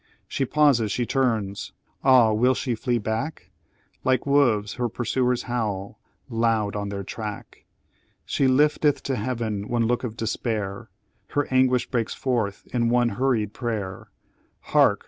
"She pauses, she turns! Ah, will she flee back? Like wolves, her pursuers howl loud on their track; She lifteth to Heaven one look of despair Her anguish breaks forth in one hurried prayer Hark!